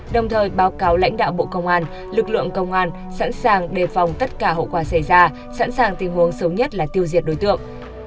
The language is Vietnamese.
đồng thời báo cáo lãnh đạo bộ công an lực lượng công an sẵn sàng đề phòng tất cả hậu quả xảy ra sẵn sàng tình huống xấu nhất là tiêu diệt đối tượng